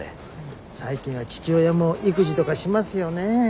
最近は父親も育児とかしますよね。